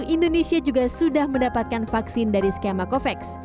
indonesia juga sudah mendapatkan vaksin dari skema covax